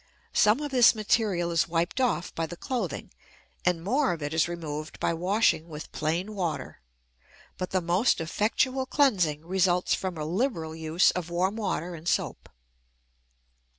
Some of this material is wiped off by the clothing, and more of it is removed by washing with plain water; but the most effectual cleansing results from a liberal use of warm water and soap.